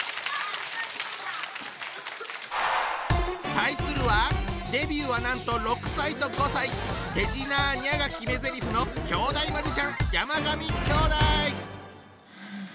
対するはデビューはなんと６歳と５歳！てじなーにゃが決めゼリフの兄弟マジシャン！